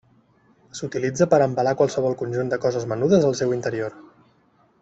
S'utilitza per a embalar qualsevol conjunt de coses menudes al seu interior.